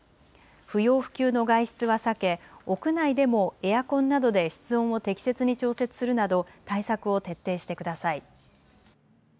不要不急の外出は避け、屋内でもエアコンなどで室温を適切に調節するなど対策を徹底してください。